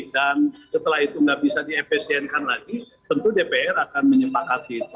dan setelah itu nggak bisa diefesiensikan lagi tentu dpr akan menyepakati